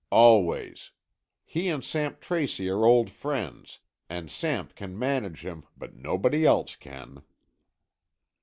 "Always. He and Samp Tracy are old friends, and Samp can manage him, but nobody else can."